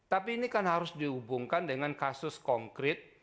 tapi ini kan harus dihubungkan dengan kasus konkret